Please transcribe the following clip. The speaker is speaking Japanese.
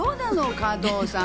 加藤さん。